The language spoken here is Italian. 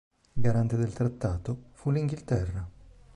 Garante del trattato fu l'Inghilterra.